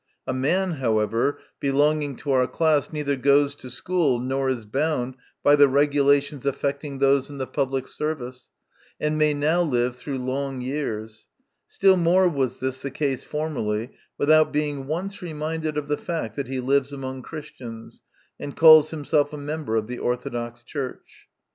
A man, however, belonging to our class, neither goes to school nor is bound by the regulations affecting those in the public service, and may now live through long years still more was this the case formerly without being once reminded of the fact that he lives among Christians, and calls himself a member of the Orthodox Church.